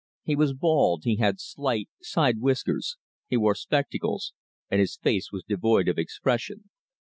He was bald, he had slight side whiskers, he wore spectacles, and his face was devoid of expression.